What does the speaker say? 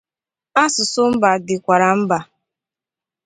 Asụsụ mba dịkwara mba